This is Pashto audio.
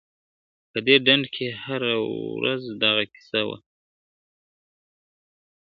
په دې ډند کي هره ورځ دغه کیسه وه `